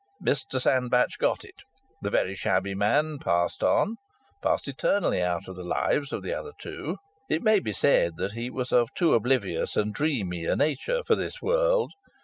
Mr Sandbach got it. The very shabby man passed on, passed eternally out of the lives of the other two. It may be said that he was of too oblivious and dreamy a nature for this world.